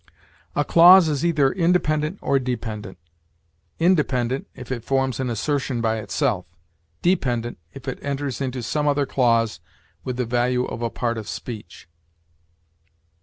"A clause is either independent or dependent: independent, if it forms an assertion by itself; dependent, if it enters into some other clause with the value of a part of speech."